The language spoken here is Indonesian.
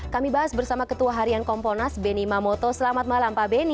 kami bahas bersama ketua harian komponas benny mamoto selamat malam pak beni